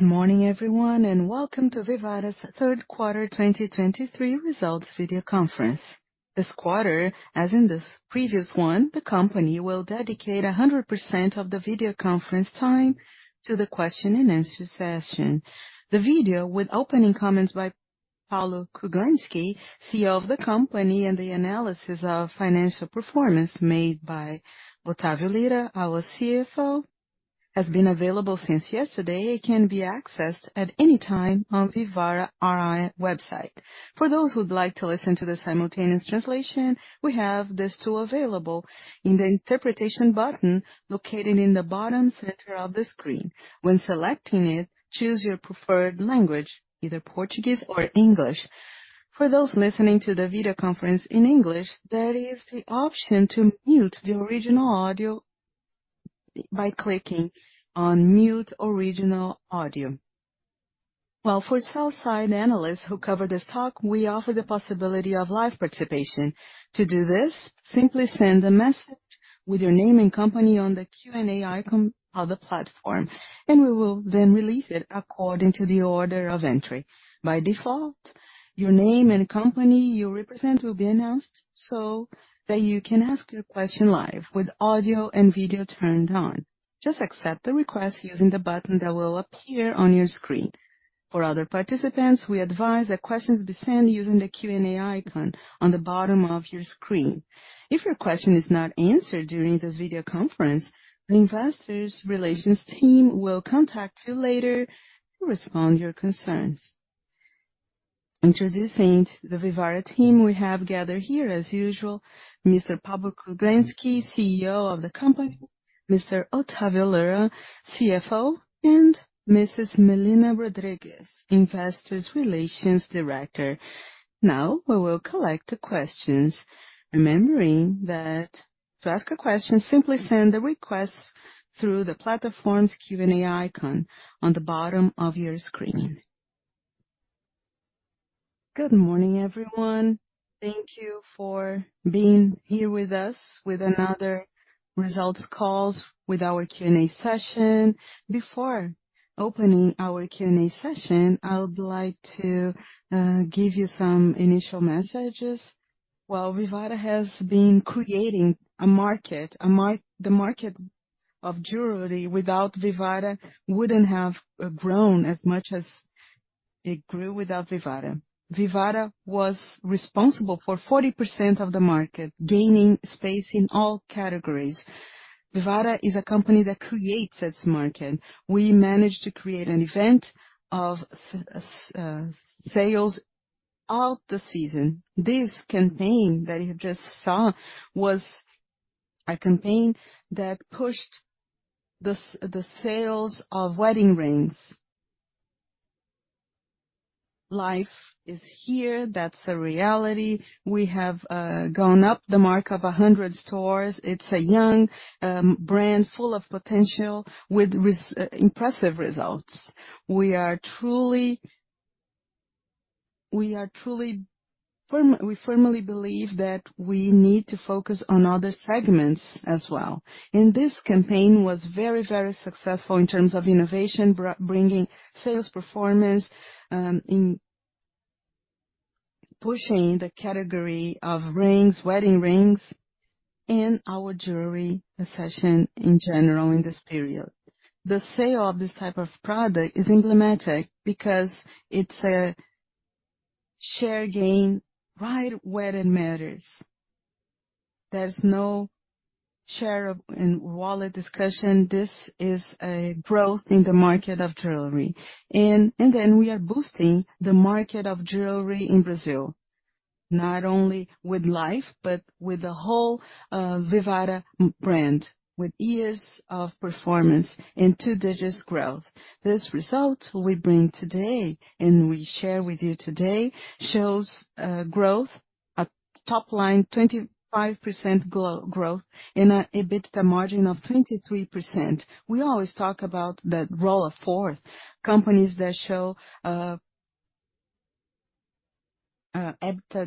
Good morning, everyone, and welcome to Vivara's third quarter 2023 results video conference. This quarter, as in the previous one, the company will dedicate 100% of the video conference time to the question-and-answer session. The video, with opening comments by Paulo Kruglensky, CEO of the company, and the analysis of financial performance made by Otavio Lyra, our CFO, has been available since yesterday. It can be accessed at any time on Vivara RI website. For those who'd like to listen to the simultaneous translation, we have this tool available in the interpretation button located in the bottom center of the screen. When selecting it, choose your preferred language, either Portuguese or English. For those listening to the video conference in English, there is the option to mute the original audio by clicking on Mute Original Audio. Well, for Sell-Side Analysts who cover this stock, we offer the possibility of live participation. To do this, simply send a message with your name and company on the Q&A icon of the platform, and we will then release it according to the order of entry. By default, your name and company you represent will be announced so that you can ask your question live with audio and video turned on. Just accept the request using the button that will appear on your screen. For other participants, we advise that questions be sent using the Q&A icon on the bottom of your screen. If your question is not answered during this video conference, the investor relations team will contact you later to respond to your concerns. Introducing the Vivara team, we have gathered here, as usual, Mr. Paulo Kruglensky, CEO of the company, Mr. Otavio Lyra, CFO, and Mrs Melina Rodrigues, Investor Relations Director. Now, we will collect the questions, remembering that to ask a question, simply send the request through the platform's Q&A icon on the bottom of your screen. Good morning, everyone. Thank you for being here with us, with another results calls with our Q&A session. Before opening our Q&A session, I would like to give you some initial messages. Well, Vivara has been creating a market. The market of jewelry without Vivara wouldn't have grown as much as it grew without Vivara. Vivara was responsible for 40% of the market, gaining space in all categories. Vivara is a company that creates its market. We managed to create an event of sales all the season. This campaign that you just saw was a campaign that pushed the sales of wedding rings. Life is here. That's a reality. We have gone up to the mark of 100 stores. It's a young brand full of potential with impressive results. We firmly believe that we need to focus on other segments as well. And this campaign was very, very successful in terms of innovation, bringing sales performance in pushing the category of rings, wedding rings, and our jewelry section in general in this period. The sale of this type of product is emblematic because it's a share gain right where it matters. There's no share-of-wallet discussion. This is a growth in the market of jewelry. And then we are boosting the market of jewelry in Brazil, not only with Life but with the whole Vivara brand, with years of performance and two-digit growth. This result we bring today and we share with you today shows, growth, a top line 25% growth and a EBITDA margin of 23%. We always talk about the Rule of 40, companies that show, EBITDA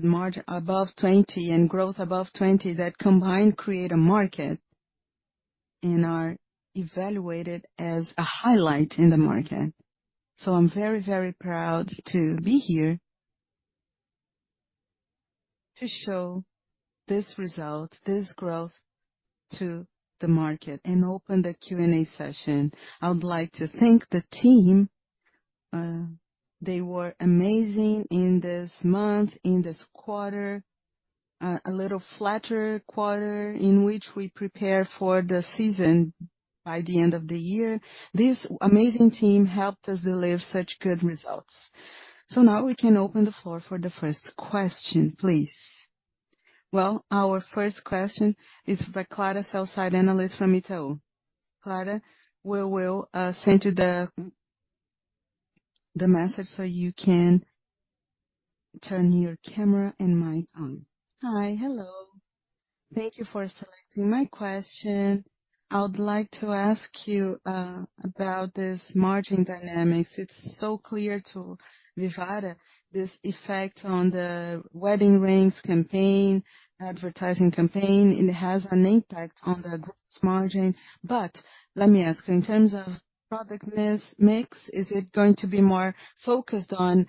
margin above 20 and growth above 20, that combined create a market and are evaluated as a highlight in the market. So I'm very, very proud to be here to show this result, this growth, to the market and open the Q&A session. I would like to thank the team. They were amazing in this month, in this quarter. A little flatter quarter in which we prepare for the season by the end of the year. This amazing team helped us deliver such good results. So now we can open the floor for the first question, please. Well, our first question is by Clara, Sell-Side Analyst from Itaú. Clara, we will send you the message so you can turn your camera and mic on. Hi. Hello. Thank you for selecting my question. I would like to ask you about this margin dynamics. It's so clear to Vivara, this effect on the wedding rings campaign, advertising campaign, it has an impact on the gross margin. But let me ask you, in terms of product mix, is it going to be more focused on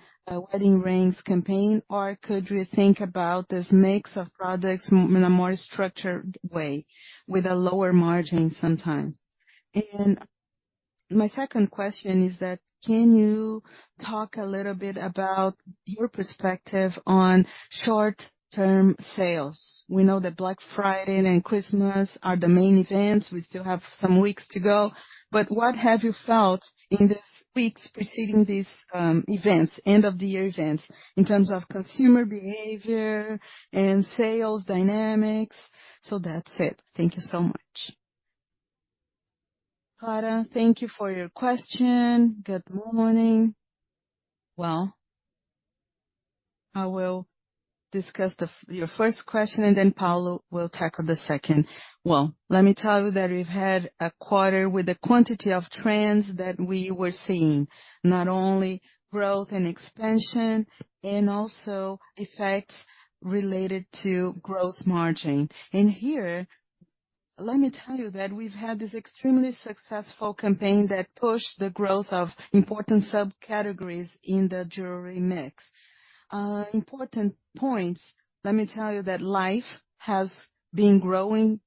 wedding rings campaign? Or could we think about this mix of products in a more structured way, with a lower margin sometimes? And my second question is that, can you talk a little bit about your perspective on short-term sales? We know that Black Friday and Christmas are the main events. We still have some weeks to go, but what have you felt in the weeks preceding these events, end of the year events, in terms of consumer behavior and sales dynamics? So that's it. Thank you so much. Clara, thank you for your question. Good morning. Well, I will discuss your first question, and then Paulo will tackle the second. Well, let me tell you that we've had a quarter with a quantity of trends that we were seeing, not only growth and expansion, and also effects related to gross margin. And here, let me tell you that we've had this extremely successful campaign that pushed the growth of important subcategories in the jewelry mix. Important points, let me tell you that Life has been growing,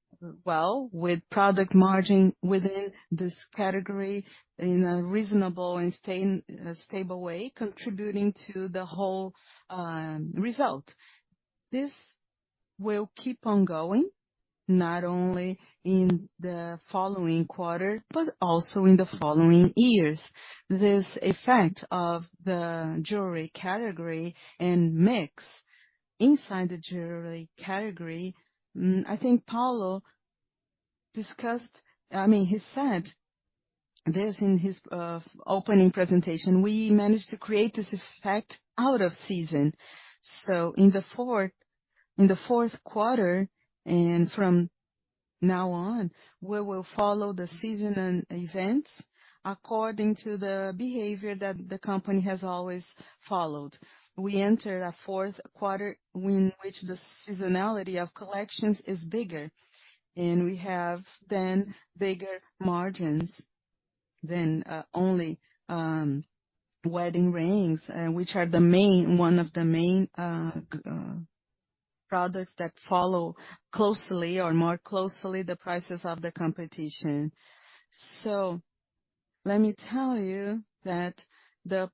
well with product margin within this category in a reasonable and sustainable way, contributing to the whole result. This will keep on going, not only in the following quarter, but also in the following years. This effect of the jewelry category and mix inside the jewelry category, I think Paulo discussed—I mean, he said this in his opening presentation. We managed to create this effect out of season. So in the fourth quarter, and from now on, we will follow the season and events according to the behavior that the company has always followed. We entered a fourth quarter in which the seasonality of collections is bigger, and we have then bigger margins than only wedding rings, which are one of the main products that follow closely or more closely the prices of the competition. So let me tell you that the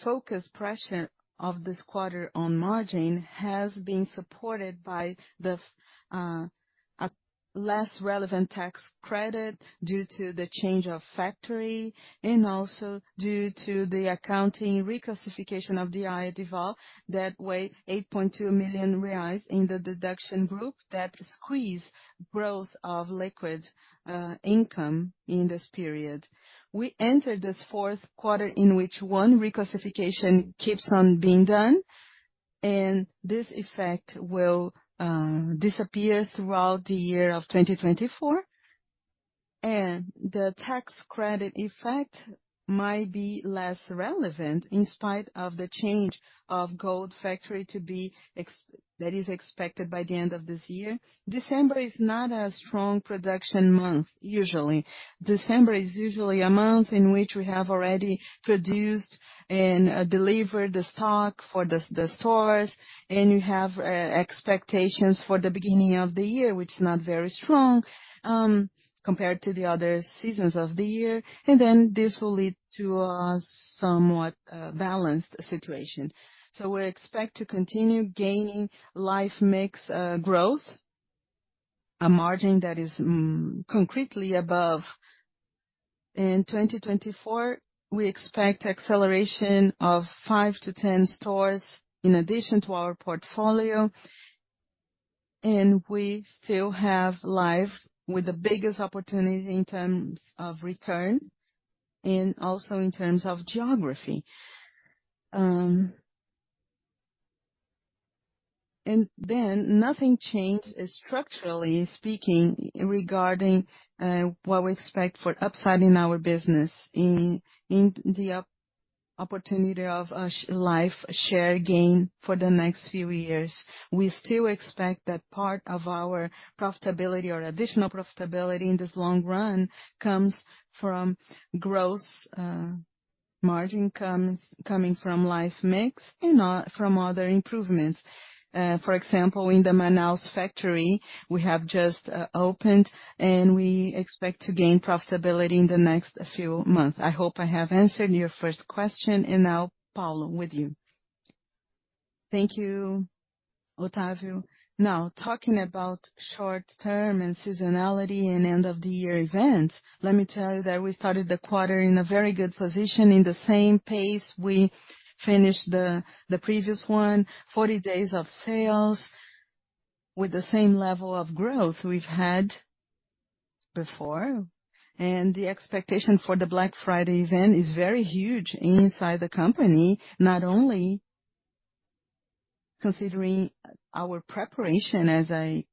focus pressure of this quarter on margin has been supported by a less relevant tax credit due to the change of factory, and also due to the accounting reclassification of the DIFAL, that weigh 8.2 million reais in the deduction group, that squeeze growth of liquid income in this period. We entered this fourth quarter, in which one reclassification keeps on being done, and this effect will disappear throughout the year of 2024. The tax credit effect might be less relevant in spite of the change of gold factory to be ex- that is expected by the end of this year. December is not a strong production month, usually. December is usually a month in which we have already produced and delivered the stock for the stores, and you have expectations for the beginning of the year, which is not very strong compared to the other seasons of the year, and then this will lead to a somewhat balanced situation. We expect to continue gaining Life mix growth, a margin that is concretely above. In 2024, we expect acceleration of 5-10 stores in addition to our portfolio, and we still have Life with the biggest opportunity in terms of return and also in terms of geography. And then nothing changed, structurally speaking, regarding what we expect for upside in our business, in the opportunity of a Life share gain for the next few years. We still expect that part of our profitability or additional profitability in this long run comes from gross margin, coming from Life mix and from other improvements. For example, in the Manaus factory, we have just opened, and we expect to gain profitability in the next few months. I hope I have answered your first question, and now, Paulo, with you. Thank you, Otavio. Now, talking about short-term and seasonality and end of the year events, let me tell you that we started the quarter in a very good position, in the same pace we finished the previous one. 40 days of sales with the same level of growth we've had. before, and the expectation for the Black Friday event is very huge inside the company, not only considering our preparation, as I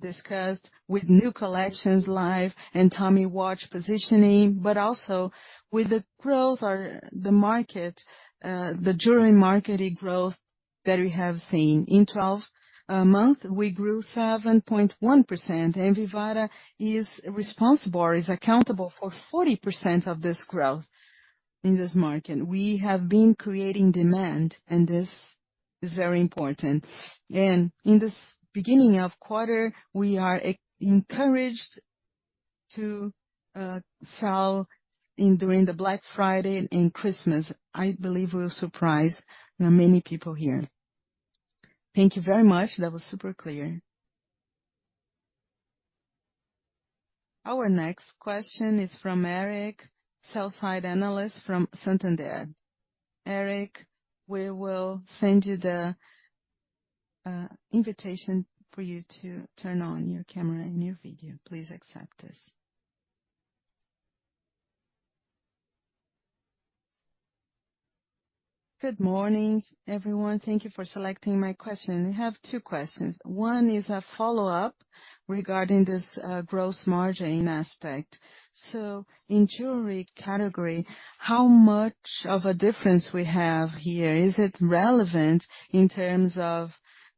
discussed, with new collections live and Tommy watch positioning, but also with the growth or the market, the jewelry market growth that we have seen. In 12 months, we grew 7.1%, and Vivara is responsible or is accountable for 40% of this growth in this market. We have been creating demand, and this is very important. And in this beginning of quarter, we are encouraged to sell in during the Black Friday and Christmas. I believe we'll surprise many people here. Thank you very much. That was super clear. Our next question is from Eric, Sell-Side Analyst from Santander. Eric, we will send you the invitation for you to turn on your camera and your video. Please accept this. Good morning, everyone. Thank you for selecting my question. I have two questions. One is a follow-up regarding this, gross margin aspect. So in jewelry category, how much of a difference we have here? Is it relevant in terms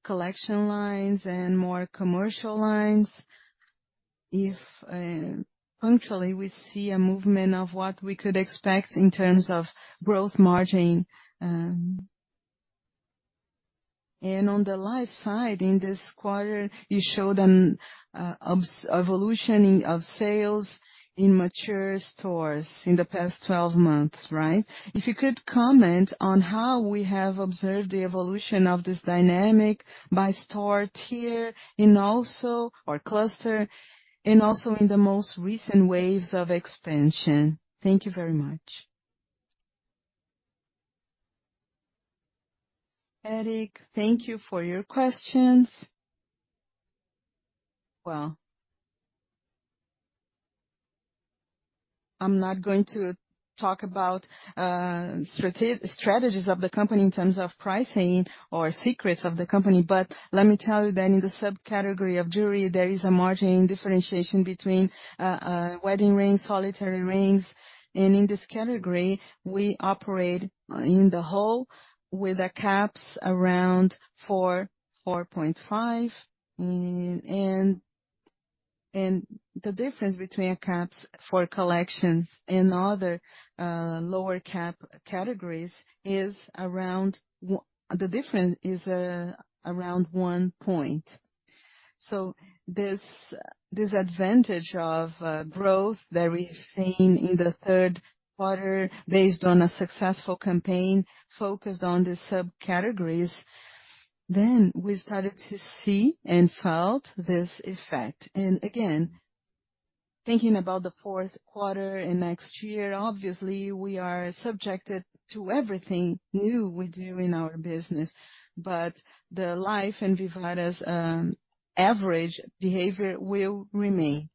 of collection lines and more commercial lines? If, functionally, we see a movement of what we could expect in terms of gross margin... And on the Life side, in this quarter, you showed an observed evolution of sales in mature stores in the past 12 months, right? If you could comment on how we have observed the evolution of this dynamic by store tier and also or cluster, and also in the most recent waves of expansion. Thank you very much. Eric, thank you for your questions. Well, I'm not going to talk about strategies of the company in terms of pricing or secrets of the company, but let me tell you that in the subcategory of jewelry, there is a margin differentiation between wedding rings, solitary rings, and in this category, we operate in the whole with the caps around 4-4.5. And the difference between caps for collections and other lower cap categories is around 1 point. So this advantage of growth that we've seen in the third quarter, based on a successful campaign focused on the subcategories, then we started to see and felt this effect. And again, thinking about the fourth quarter and next year, obviously, we are subjected to everything new we do in our business, but the Life and Vivara's average behavior will remain.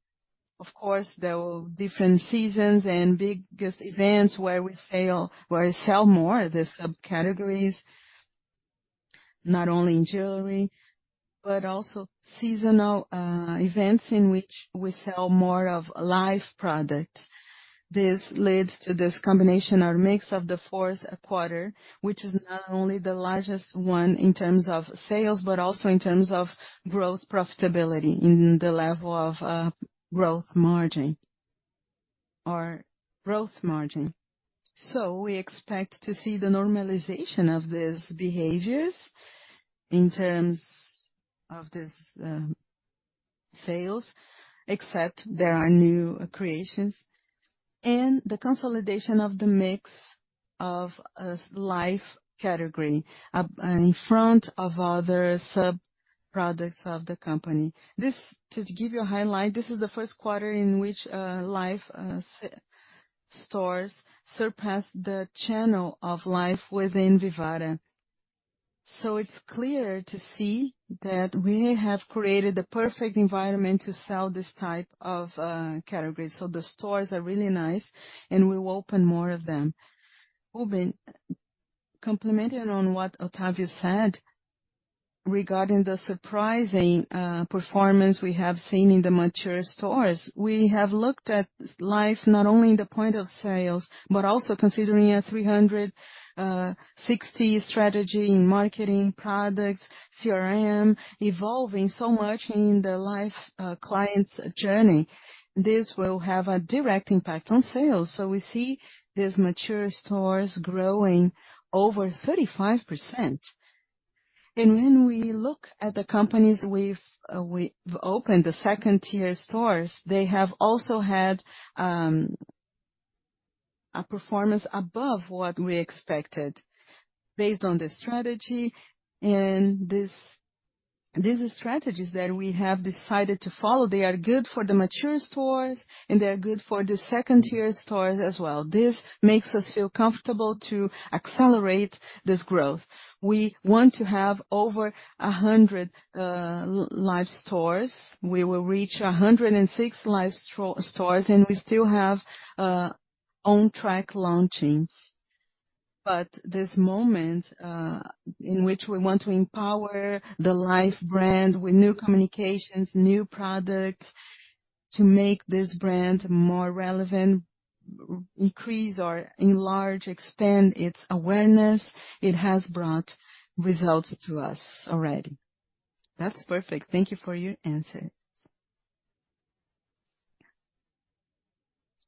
Of course, there will different seasons and biggest events where we sell, where we sell more the subcategories, not only in jewelry, but also seasonal events in which we sell more of Life product. This leads to this combination or mix of the fourth quarter, which is not only the largest one in terms of sales, but also in terms of growth profitability in the level of growth margin or growth margin. So we expect to see the normalization of these behaviors in terms of this sales, except there are new creations and the consolidation of the mix of a Life category and in front of other subproducts of the company. This, to give you a highlight, this is the first quarter in which Life stores surpassed the channel of Life within Vivara. So it's clear to see that we have created the perfect environment to sell this type of category. So the stores are really nice, and we will open more of them. Rubin, complementing on what Otávio said regarding the surprising performance we have seen in the mature stores, we have looked at Life not only in the points of sale, but also considering a 360 strategy in marketing, product, CRM, evolving so much in the Life clients' journey. This will have a direct impact on sales. So we see these mature stores growing over 35%. When we look at the companies we've opened, the second-tier stores, they have also had a performance above what we expected based on the strategy and these strategies that we have decided to follow, they are good for the mature stores, and they are good for the second-tier stores as well. This makes us feel comfortable to accelerate this growth. We want to have over 100 Life stores. We will reach 106 Life stores, and we still have on track launchings. But this moment in which we want to empower the Life brand with new communications, new products, to make this brand more relevant, increase or enlarge, expand its awareness, it has brought results to us already. That's perfect. Thank you for your answers.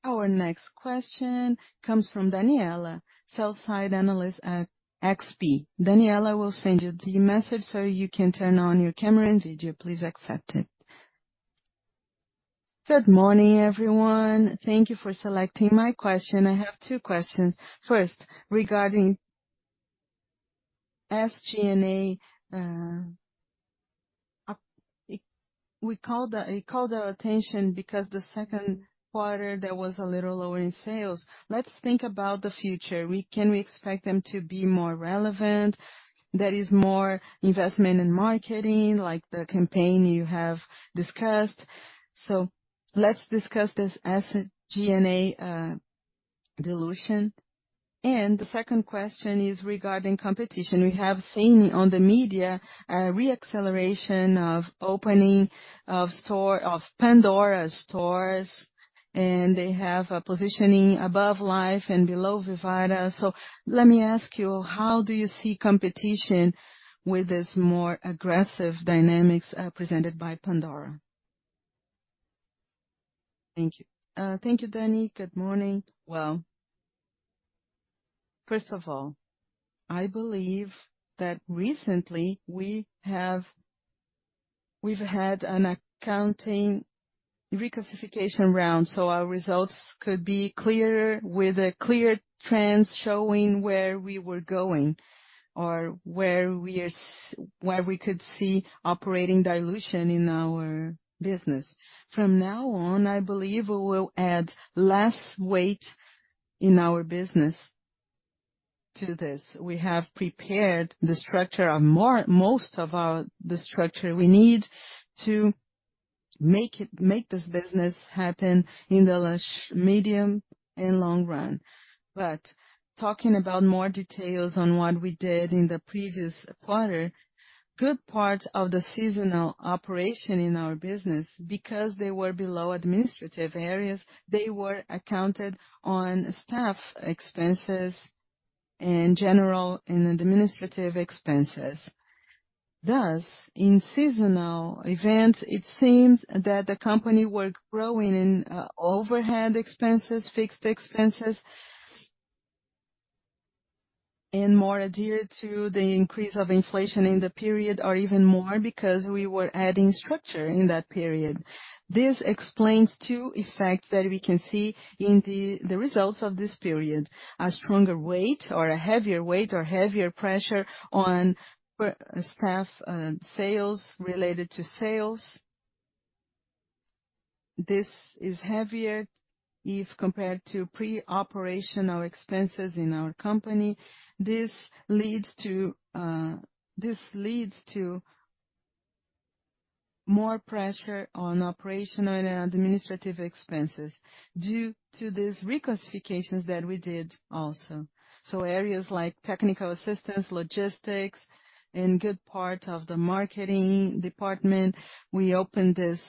Our next question comes from Daniela, Sell-Side analyst at XP. Daniela, we'll send you the message so you can turn on your camera and video. Please accept it. Good morning, everyone. Thank you for selecting my question. I have two questions. First, regarding SG&A, it called our attention because the second quarter, there was a little lower in sales. Let's think about the future. Can we expect them to be more relevant? There is more investment in marketing, like the campaign you have discussed. So let's discuss this SG&A dilution. And the second question is regarding competition. We have seen on the media a re-acceleration of opening of store, of Pandora stores, and they have a positioning above Life and below Vivara. So let me ask you, how do you see competition with this more aggressive dynamics presented by Pandora? Thank you. Thank you, Dani. Good morning. Well, first of all, I believe that recently, we've had an accounting reclassification round, so our results could be clearer, with a clear trend showing where we were going or where we are - where we could see operating dilution in our business. From now on, I believe we will add less weight in our business to this. We have prepared the structure of most of our, the structure we need to make it, make this business happen in the short, medium and long run. But talking about more details on what we did in the previous quarter, good part of the seasonal operation in our business, because they were below administrative areas, they were accounted on staff expenses and general and administrative expenses. Thus, in seasonal events, it seems that the company were growing in overhead expenses, fixed expenses, and more adhered to the increase of inflation in the period, or even more because we were adding structure in that period. This explains two effects that we can see in the results of this period: a stronger weight or a heavier weight or heavier pressure on per, staff, sales related to sales. This is heavier if compared to pre-operational expenses in our company. This leads to more pressure on operational and administrative expenses due to these reclassifications that we did also. So areas like technical assistance, logistics, and good part of the marketing department, we opened this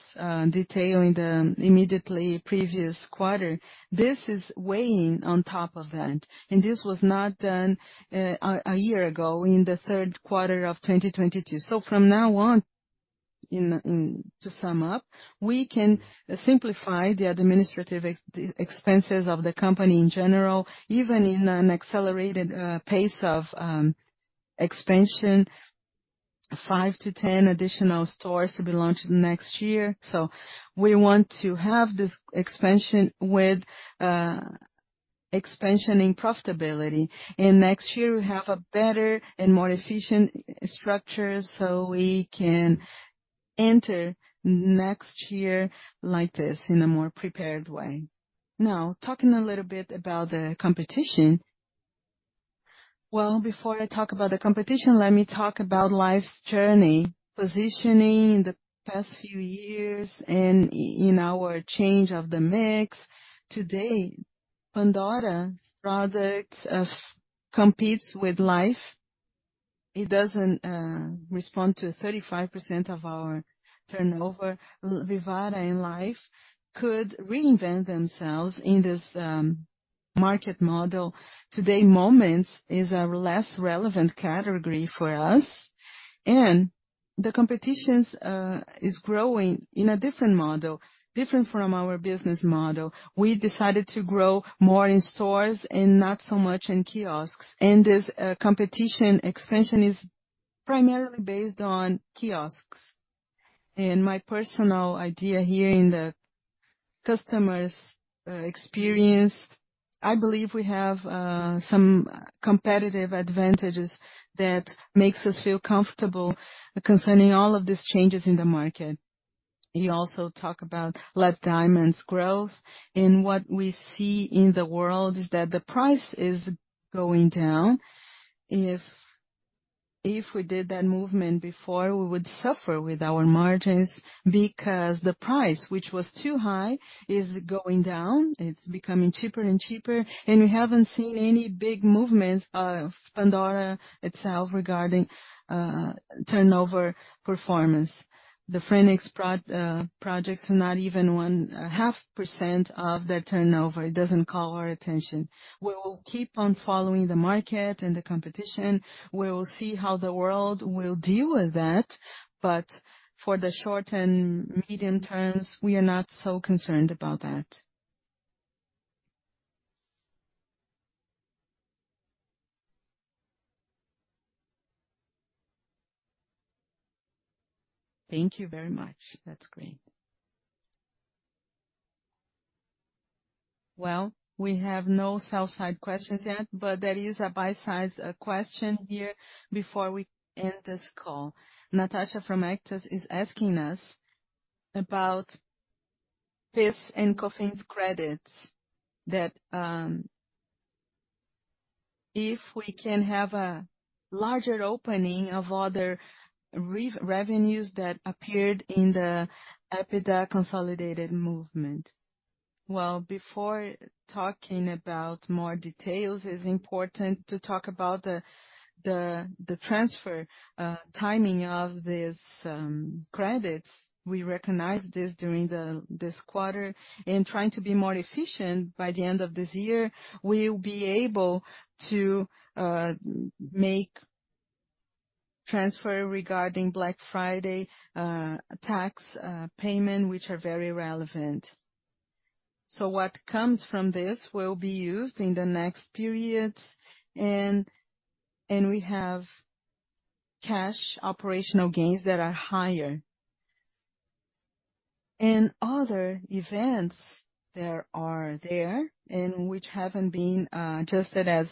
detail in the immediately previous quarter. This is weighing on top of that, and this was not done a year ago in the third quarter of 2022. So from now on, to sum up, we can simplify the administrative expenses of the company in general, even in an accelerated pace of expansion, 5-10 additional stores to be launched next year. So we want to have this expansion with expansion in profitability. And next year, we have a better and more efficient structure, so we can enter next year like this, in a more prepared way. Now, talking a little bit about the competition. Well, before I talk about the competition, let me talk about Life's journey, positioning the past few years and in our change of the mix. Today, Pandora's products competes with Life. It doesn't respond to 35% of our turnover. Vivara and Life could reinvent themselves in this market model. Today, Moments is a less relevant category for us, and the competition's is growing in a different model, different from our business model. We decided to grow more in stores and not so much in kiosks, and this competition expansion is primarily based on kiosks. And my personal idea here in the customer's experience, I believe we have some competitive advantages that makes us feel comfortable concerning all of these changes in the market. You also talk about lab diamonds growth, and what we see in the world is that the price is going down. If we did that movement before, we would suffer with our margins, because the price, which was too high, is going down. It's becoming cheaper and cheaper, and we haven't seen any big movements of Pandora itself regarding turnover performance. The Phoenix projects are not even one half percent of that turnover. It doesn't call our attention. We will keep on following the market and the competition. We will see how the world will deal with that, but for the short and medium terms, we are not so concerned about that. Thank you very much. That's great. Well, we have no sell-side questions yet, but there is a buy-side question here before we end this call. Natasha from Artis is asking us about PIS and COFINS credits, that if we can have a larger opening of other revenues that appeared in the EBITDA consolidated movement. Well, before talking about more details, it's important to talk about the transfer timing of these credits. We recognized this during this quarter, and trying to be more efficient, by the end of this year, we'll be able to make transfer regarding Black Friday tax payment, which are very relevant. So what comes from this will be used in the next periods, and we have cash operational gains that are higher. And other events that are there, and which haven't been adjusted as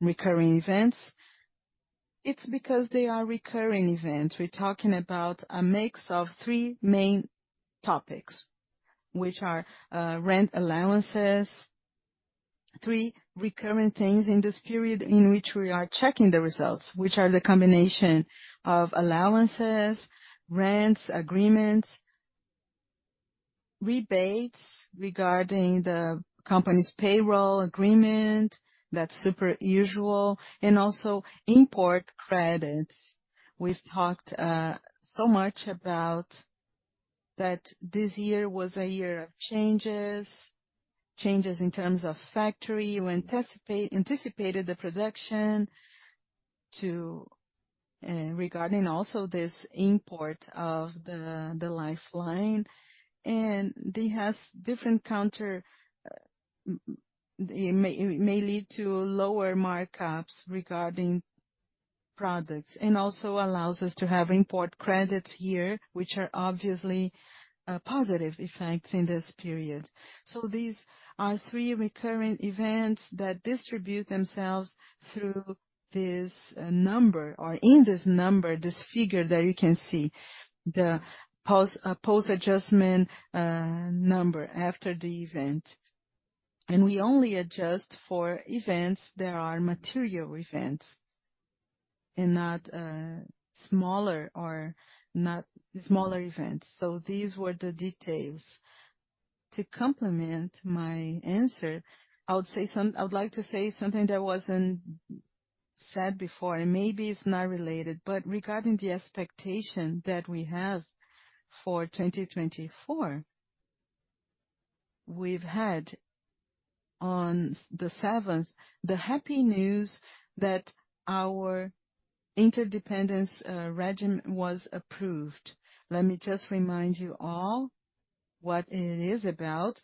recurring events, it's because they are recurring events. We're talking about a mix of three main topics, which are rent allowances. Three recurring things in this period in which we are checking the results, which are the combination of allowances, rents, agreements, rebates regarding the company's payroll agreement, that's super usual, and also import credits. We've talked so much about that this year was a year of changes, changes in terms of factory. We anticipated the production to, regarding also this import of the Life line, and they have different counter. It may lead to lower markups regarding products, and also allows us to have import credits here, which are obviously positive effects in this period. So these are three recurring events that distribute themselves through this number, or in this number, this figure that you can see, the post-adjustment number after the event. And we only adjust for events that are material events and not smaller events. So these were the details. To complement my answer, I would like to say something that wasn't said before, and maybe it's not related, but regarding the expectation that we have for 2024, we've had on the seventh, the happy news that our interdependence regime was approved. Let me just remind you all what it is about.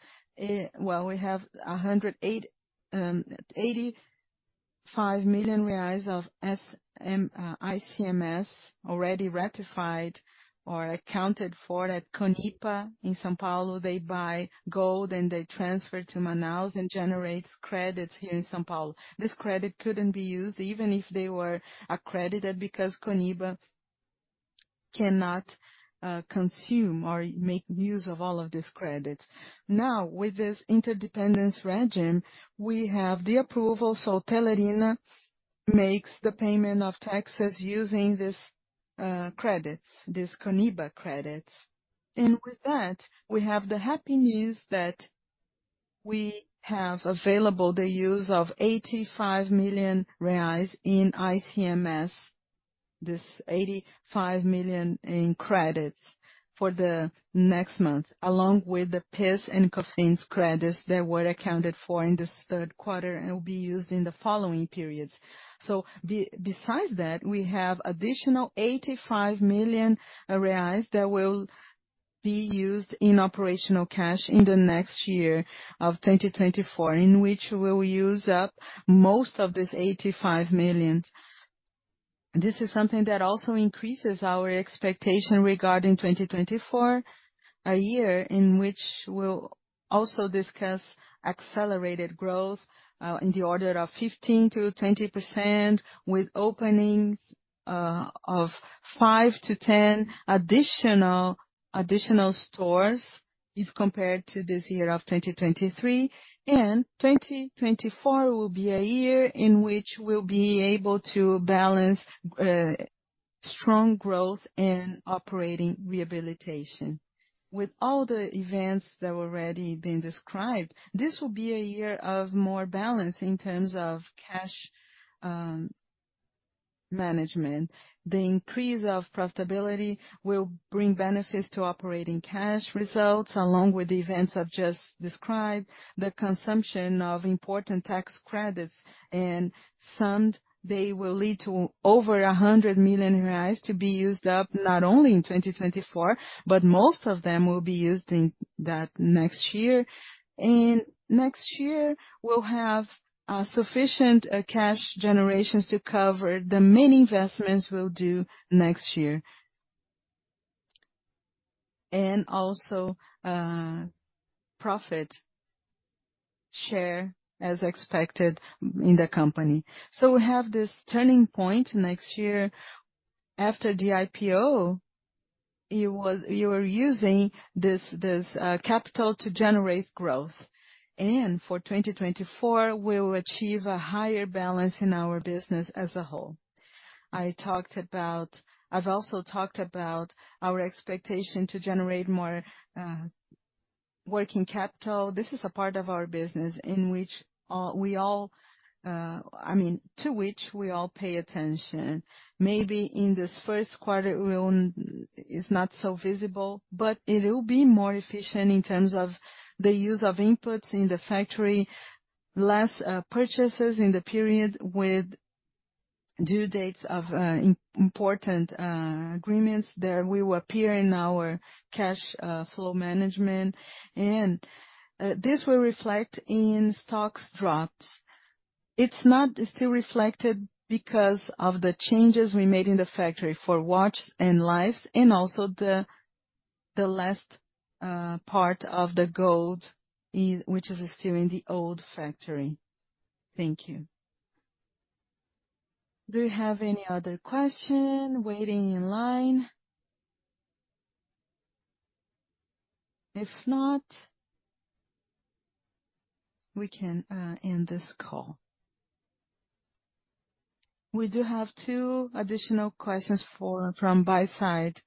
Well, we have 108.85 million reais of ICMS already rectified or accounted for at Conipa in São Paulo. They buy gold, and they transfer to Manaus and generates credits here in São Paulo. This credit couldn't be used even if they were accredited, because Conipa cannot consume or make use of all of these credits. Now, with this interdependence regime, we have the approval, so Tellerina makes the payment of taxes using these credits, these Conipa credits. And with that, we have the happy news that we have available the use of 85 million reais in ICMS, this 85 million in credits for the next month, along with the PIS and COFINS credits that were accounted for in this third quarter and will be used in the following periods. So besides that, we have additional 85 million reais that will be used in operational cash in the next year of 2024, in which we will use up most of this 85 million. This is something that also increases our expectation regarding 2024, a year in which we'll also discuss accelerated growth in the order of 15%-20%, with openings of 5-10 additional stores. If compared to this year of 2023, 2024 will be a year in which we'll be able to balance strong growth and operating rehabilitation. With all the events that were already being described, this will be a year of more balance in terms of cash management. The increase of profitability will bring benefits to operating cash results, along with the events I've just described, the consumption of important tax credits, and summed, they will lead to over 100 million reais to be used up, not only in 2024, but most of them will be used in that next year. Next year, we'll have sufficient cash generations to cover the many investments we'll do next year. And also, profit share, as expected in the company. So we have this turning point next year. After the IPO, you were using this capital to generate growth, and for 2024, we will achieve a higher balance in our business as a whole. I've also talked about our expectation to generate more working capital. This is a part of our business in which we all, I mean, to which we all pay attention. Maybe in this first quarter, it's not so visible, but it will be more efficient in terms of the use of inputs in the factory, less purchases in the period with due dates of important agreements that will appear in our cash flow management, and this will reflect in stocks drops. It's not still reflected because of the changes we made in the factory for watches and Life's, and also the last part of the gold, which is still in the old factory. Thank you. Do you have any other question waiting in line? If not, we can end this call. We do have two additional questions from buy-side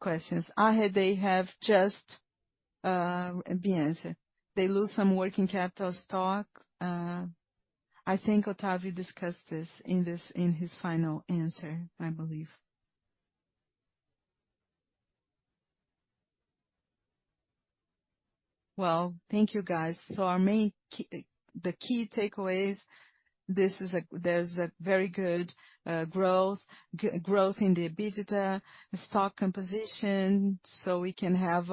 questions. They have just been. They use some working capital stock. I think Otavio discussed this in his final answer, I believe. Well, thank you, guys. So our main key takeaways, this is a—there's a very good growth in the EBITDA, stock composition, so we can have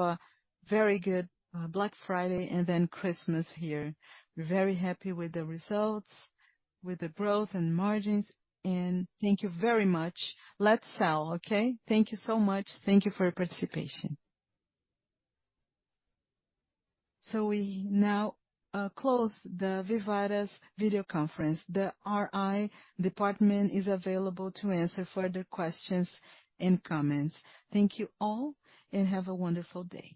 a very good Black Friday, and then Christmas here. We're very happy with the results, with the growth and margins, and thank you very much. Let's sell, okay? Thank you so much. Thank you for your participation. So we now close Vivara's video conference. The RI department is available to answer further questions and comments. Thank you all, and have a wonderful day.